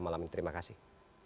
malam ini terima kasih